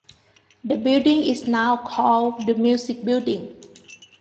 The building is now called "The Music Building".